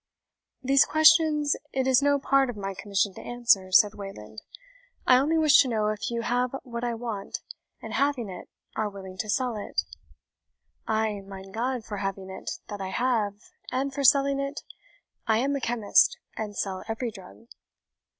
"These questions it is no part of my commission to answer," said Wayland; "I only wish to know if you have what I want, and having it, are willing to sell it?" "Ay, mein God, for having it, that I have, and for selling it, I am a chemist, and sell every drug."